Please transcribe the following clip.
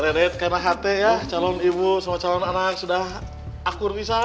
nenek karena hati ya calon ibu sama calon anak sudah akur bisa kan